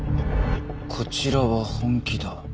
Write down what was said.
「こちらは本気だ」